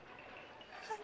はい。